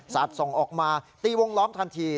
ส่งออกมาตีวงล้อมทันที